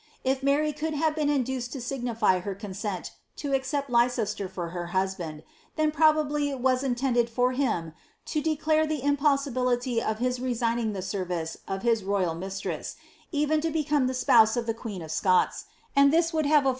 If 3Iary could have been induced to signify her consent to ac cept Leicester for her husband, then probably it was intended for him to declare the impossibility of iiis resigning the service of his royal mis tress, even to become the spouse of the queen of Scots, and this would have af!